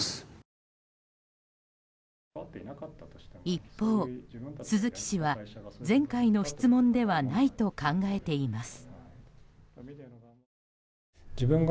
一方、鈴木氏は前回の質問ではないと考えています。